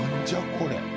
これ。